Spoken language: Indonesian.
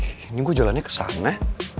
ini gue jalannya kesana